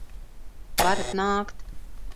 Varat nākt!